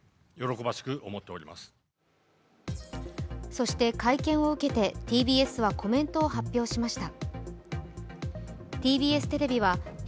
そして会見を受けてＴＢＳはコメントを発表しました。